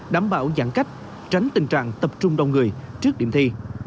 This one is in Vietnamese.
đảm bảo giãn cách tránh tình trạng tập trung đông người trước điểm thi